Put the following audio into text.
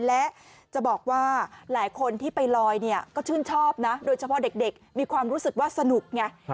และจะบอกว่าหลายคนที่ไปลอยเนี่ยก็ชื่นชอบนะโดยเฉพาะเด็กมีความรู้สึกว่าสนุกไง